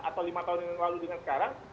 atau lima tahun yang lalu dengan sekarang